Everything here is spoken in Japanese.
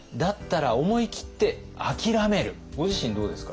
ご自身どうですか？